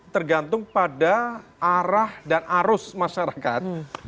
tergantung pada arah dan arus masyarakat